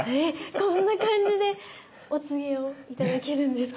こんな感じでお告げを頂けるんですか？